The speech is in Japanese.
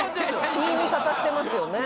いい見方してますよね